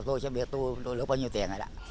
tôi chẳng biết tôi lưu bao nhiêu tiền rồi